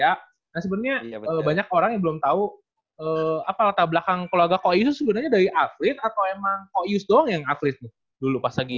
nah sebenarnya banyak orang yang belum tahu apa latar belakang keluarga ko ayus sebenarnya dari atlet atau emang ko ayus doang yang atlet dulu pas lagi ya